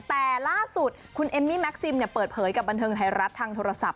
แต่ล่าสุดคุณเอมมี่แม็กซิมเปิดเผยกับบันเทิงไทยรัฐทางโทรศัพท์